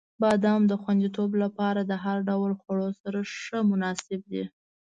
• بادام د خوندیتوب لپاره د هر ډول خواړو سره ښه مناسب دی.